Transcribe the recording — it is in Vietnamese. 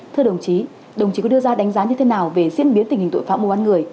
thưa đồng chí đồng chí có đưa ra đánh giá như thế nào về diễn biến tình hình tội phạm mua bán người